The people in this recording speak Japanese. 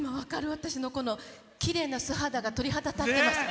私の、このきれいな素肌に鳥肌が立ってます。